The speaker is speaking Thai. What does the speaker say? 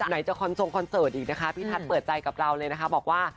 ในจะคอนโซงคอนเสิร์ตอีกพี่ทัศน์เปิดใจกับเราเลยบอกว่า